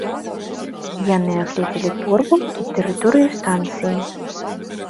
Яны аглядзелі торбу і тэрыторыю станцыі.